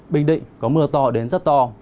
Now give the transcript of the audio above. bình định có mưa to đến rất to